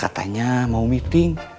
katanya mau meeting